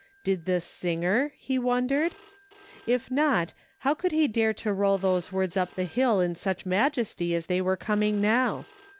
Did this singer ? he wondered. If not, how could he dare to roll those words up the hill in such majesty as they were coming now